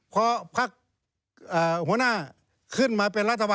พอพลักฯหัวหน้าขึ้นมาเป็นราตาวัน